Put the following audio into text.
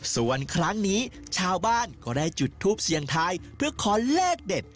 ส่วนครั้งนี้ชาวบ้านก็ได้จุดทูปเสียงทายเพื่อขอเลขเด็ด